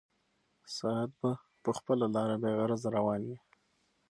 ساعت به په خپله لاره بېغرضه روان وي.